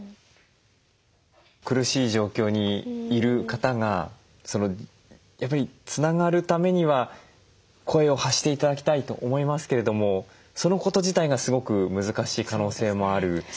苦しい状況にいる方がやっぱりつながるためには声を発して頂きたいと思いますけれどもそのこと自体がすごく難しい可能性もある。